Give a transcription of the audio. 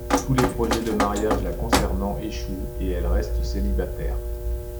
Tous les projets de mariage la concernant échouent et elle reste célibataire.